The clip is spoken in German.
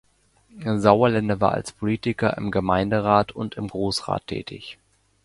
Sauerländer war als Politiker im Gemeinderat und im Grossrat tätig.